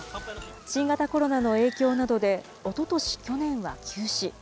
新型コロナの影響などでおととし、去年は休止。